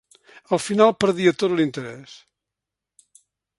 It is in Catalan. Al final perdia tot l'interès.